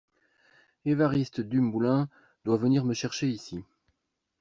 Évariste Dumoulin doit venir me chercher ici.